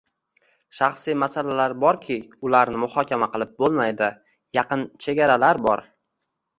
Shaxsiy masalalar borki, ularni muhokama qilib bo'lmaydi, yaqin chegaralar bor